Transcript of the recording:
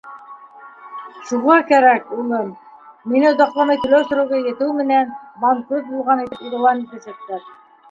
— Шуға кәрәк, улым, мине оҙаҡламай, түләү срогы етеү менән, банкрот булған итеп иғлан итәсәктәр.